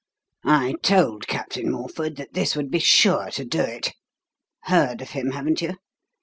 I told Captain Morford that this would be sure to do it. Heard of him, haven't you?